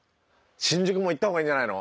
新宿も行った方がいいんじゃないの？